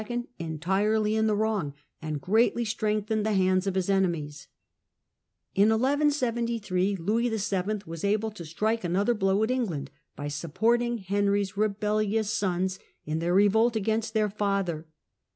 entirely in the wrong, and greatly strengthened the hands of his enemies. In 1173 Louis VII. was able to strike another blow at England by supporting Henry's rebellious sons in their revolt against their father.